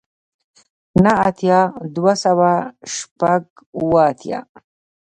نه اتیای دوه سوه شپږ اوه اتیا